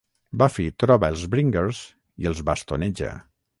Buffy troba els Bringers i els bastoneja.